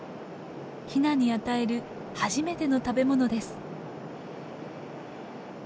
ヒナに与える初めての食べ物です。